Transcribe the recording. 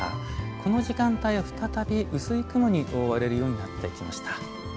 この時間帯再び薄い雲に覆われるようになってきました。